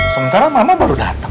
sementara mama baru dateng